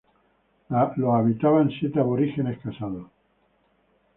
Lo habitaban siete aborígenes casados.